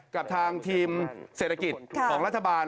กับทางทีมเศรษฐกิจของรัฐบาล